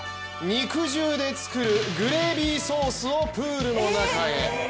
肉汁で作るグレービーソースをプールの中へ。